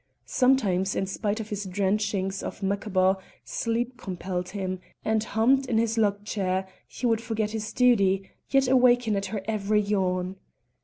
Sometimes, in spite of his drenchings of macabaw, sleep compelled him, and, humped in his lug chair, he would forget his duty, yet waken at her every yawn.